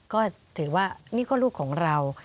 ก็ถือว่านี่ก็ลูกของเรา